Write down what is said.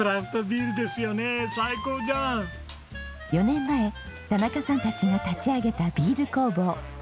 ４年前田中さんたちが立ち上げたビール工房。